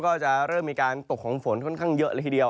ก็จะเริ่มมีการตกของฝนค่อนข้างเยอะเลยทีเดียว